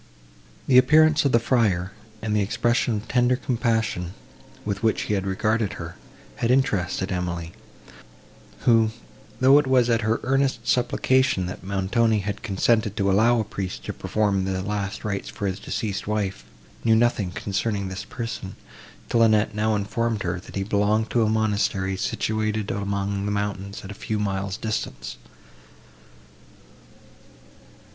The appearance of the friar and the expression of tender compassion, with which he had regarded her, had interested Emily, who, though it was at her earnest supplication, that Montoni had consented to allow a priest to perform the last rites for his deceased wife, knew nothing concerning this person, till Annette now informed her, that he belonged to a monastery, situated among the mountains at a few miles distance.